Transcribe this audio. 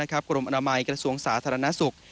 กรมอนามัยกระทรวงสาธารณสุข